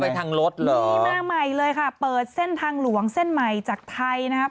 ๓ชั่วโมงน่ะนี่มาใหม่เลยค่ะเปิดเส้นทางหลวงเส้นใหม่จากไทยนะครับ